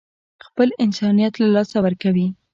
خپل انسانيت له لاسه ورکوي.